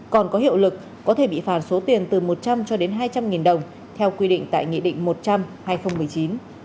còn có hiệu lực có thể bị phạt số tiền từ một trăm linh cho đến hai trăm linh nghìn đồng theo quy định tại nghị định một trăm linh hai nghìn một mươi chín